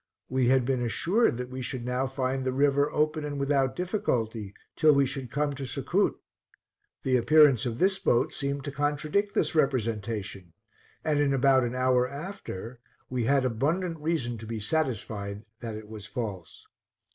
We had been assured that we should now find the river open and without difficulty, till we should come to Succoot; the appearance of this boat seemed to contradict this representation, and in about an hour after we had abundant reason to be satisfied that it was false.